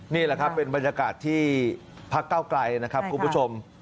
นี่แหละครับเป็นบรรยากาศที่พักเก้าไกลนะครับคุณผู้ชม